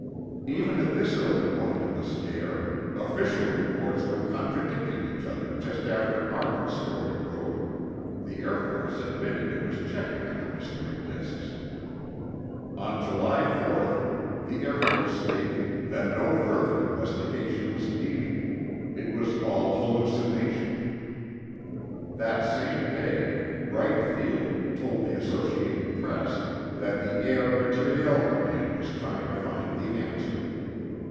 Even at this early point in the scare, official reports were contradicting each other. just after Arnold's story broke, the Air Force admitted it was checking on the mystery disks. On July 4 the Air Force stated that no further investigation was needed; it was all hallucination. That same day, Wright Field told the Associated Press that the Air Materiel Command was trying to find the answer.